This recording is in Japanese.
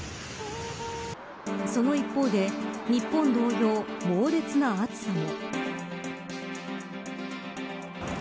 その一方で日本同様猛烈な暑さも。